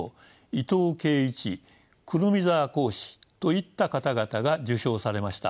伊藤桂一胡桃沢耕史といった方々が受賞されました。